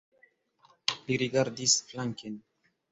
Li rigardis flanken.